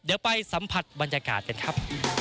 เดี๋ยวไปสัมผัสบรรยากาศกันครับ